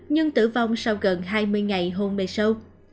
nhưng tử vong sau gần hai mươi ngày hôn mê sâu